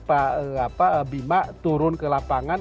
pak bima turun ke lapangan